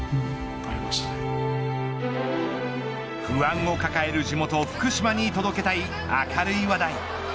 不安を抱える地元、福島に届けたい明るい話題。